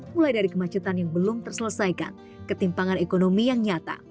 mulai dari kemacetan yang belum terselesaikan ketimpangan ekonomi yang nyata